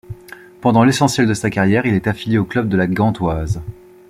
Pendant l'essentiel de sa carrière, il est affilié au club de La Gantoise.